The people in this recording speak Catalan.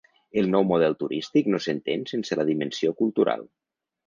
El nou model turístic no s’entén sense la dimensió cultural.